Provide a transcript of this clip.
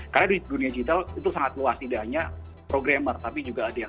karena di dunia digital kita tidak bisa mengambil data dari pelakunya kita tidak bisa mengambil data dari pelakunya